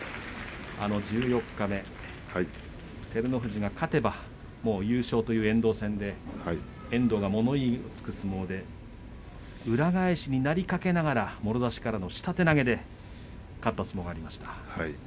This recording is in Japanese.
十四日目、照ノ富士が勝てば優勝という遠藤戦で遠藤が物言いのつく相撲で裏返しになりかけながらもろ差しからの下手投げで勝った相撲がありました。